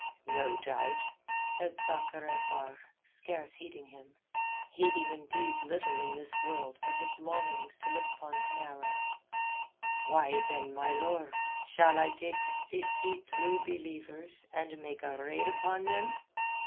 "No doubt," said Sakr el Bahr, scarce heeding him, heeding indeed little in this world but his longings to look upon Penarrow. "Why, then, my lord, shall I take fifty True Believers and make a raid upon them?